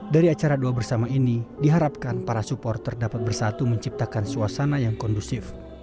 dari acara doa bersama ini diharapkan para supporter dapat bersatu menciptakan suasana yang kondusif